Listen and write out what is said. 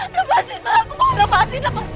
lepasin mbak aku mau lepasin